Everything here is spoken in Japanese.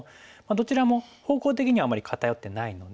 どちらも方向的にはあまり片寄ってないので。